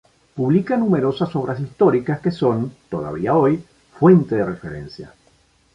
Publica numerosas obras históricas que son, todavía hoy, fuente de referencia.